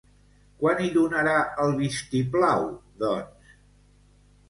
Quan hi donarà el vistiplau, doncs?